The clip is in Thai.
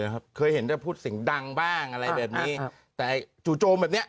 พลิกต๊อกเต็มเสนอหมดเลยพลิกต๊อกเต็มเสนอหมดเลย